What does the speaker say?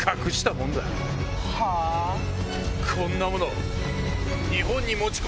はあ⁉こんなもの。